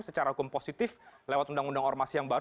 kalau memang untuk simbol